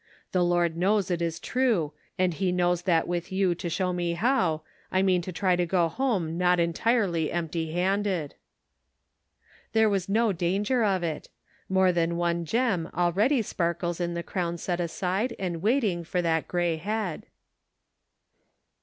The Lord knows it is true, and he knows that with you to show me how, I mean to try to go home not entirely empty handed." There was no danger of it. More than one gem already sparkles in the crown set aside and waiting for that gray head.